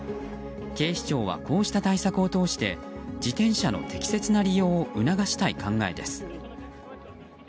警視庁はこうした対策を通して自転車の適切な利用を促したい考えです。